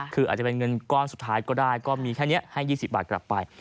คืออาจจะเป็นเงินก้อนสุดท้ายก็ได้ก็มีแค่นี้ให้๒๐บาทกลับไป